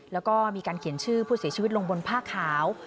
แล้วก็มีการเขียนชื่อผู้เสียชีวิตลงบนผ้าขาว